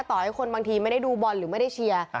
ต่อให้คนบางทีไม่ได้ดูบอลหรือไม่ได้เชียร์